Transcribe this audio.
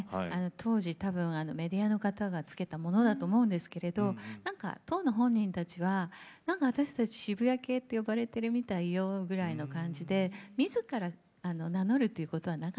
当時多分メディアの方が付けたものだと思うんですけど当の本人たちはなんか私たち渋谷系って呼ばれてるみたいよぐらいの感じでみずから名乗るということはなかったですね。